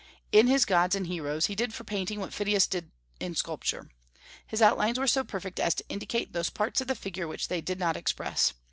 In his gods and heroes, he did for painting what Phidias did in sculpture. His outlines were so perfect as to indicate those parts of the figure which they did not express.